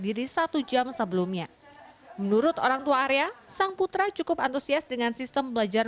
diri satu jam sebelumnya menurut orangtua arya sang putra cukup antusias dengan sistem belajar